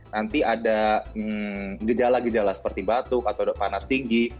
nanti ada gejala gejala seperti batuk atau panas tinggi